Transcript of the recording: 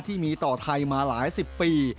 ที่มีต่อไทยมาหลายสิบปี